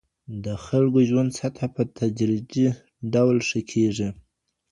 د خلګو د ژوند سطحه په تدريجي ډول ښه کېږي.